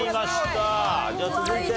じゃあ続いて。